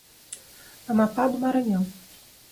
Amapá do Maranhão